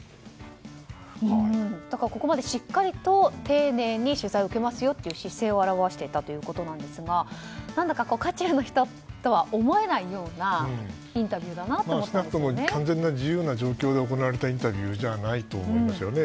ここまでしっかりと丁寧に取材を受けますよという姿勢を現していたということなんですが何だか渦中の人とは思えないような少なくとも完全な自由な状況で行われたインタビューじゃないと思いますね。